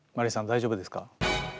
大丈夫ですか？